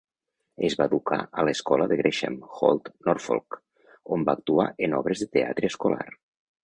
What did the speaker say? Es va educar a l'escola de Gresham, Holt, Norfolk, on va actuar en obres de teatre escolar.